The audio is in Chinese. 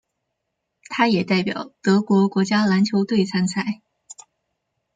他也代表德国国家篮球队参赛。